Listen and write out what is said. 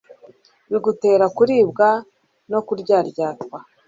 bigutera kuribwa no kuryaryatwa,